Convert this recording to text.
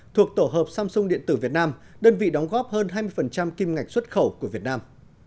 thuộc tổ hợp samsung điện tử việt nam đơn vị đóng góp hơn hai mươi kim ngạch xuất khẩu của việt nam